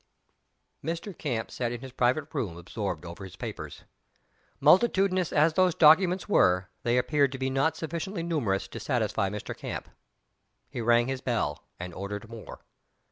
Mr. Camp sat in his private room, absorbed over his papers. Multitudinous as those documents were, they appeared to be not sufficiently numerous to satisfy Mr. Camp. He rang his bell, and ordered more.